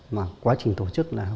mà quá trình tổ chức là